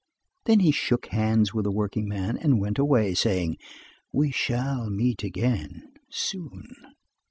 Then he shook hands with the workingman and went away, saying: "We shall meet again soon."